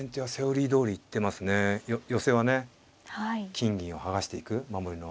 金銀を剥がしていく守りの。